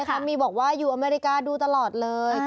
อยู่อเมริก้าตรงนี้ดูกันด้วย